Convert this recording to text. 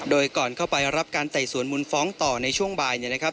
โดยก่อนเข้าไปรับการไต่สวนมูลฟ้องต่อในช่วงบ่ายเนี่ยนะครับ